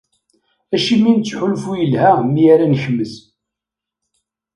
Acimi nettḥulfu yelha mi ara nekmez?